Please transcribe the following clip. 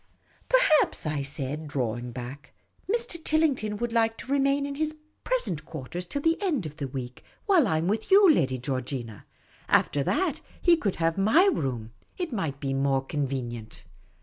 " Per haps," I said, drawing back, " Mr. Tillington would like to remain in his present quarters till the end of the week, while I am with you, lyady Georgina ; after that, he could have my room ; it might be more convenient."